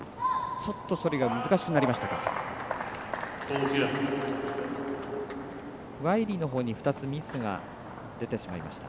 ちょっと処理が難しくなりました。